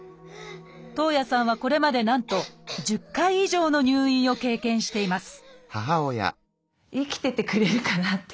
徳文さんはこれまでなんと１０回以上の入院を経験しています